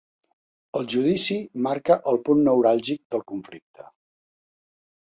El judici marca el punt neuràlgic del conflicte.